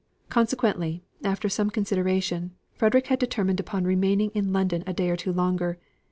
Consequently, after some consideration, Frederick had determined upon remaining in London a day or two longer.